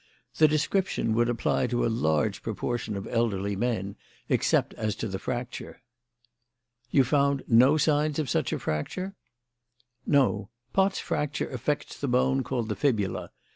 The description would apply to a large proportion of elderly men, except as to the fracture." "You found no signs of such a fracture?" "No. Pott's fracture affects the bone called the fibula.